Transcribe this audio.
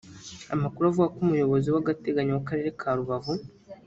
Amakuru avuga ko Umuyobozi w’agateganyo w’Akarere ka Rubavu